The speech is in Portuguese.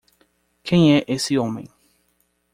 Quem é esse homem?